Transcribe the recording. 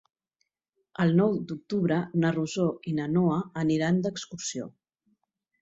El nou d'octubre na Rosó i na Noa aniran d'excursió.